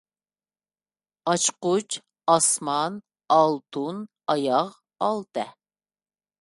ئاچقۇچ، ئاسمان، ئالتۇن، ئاياغ، ئالتە.